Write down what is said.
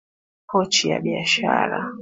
Pochi ya biashara.